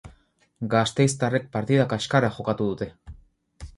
Gasteiztarrek partida kaskarra jokatu dute.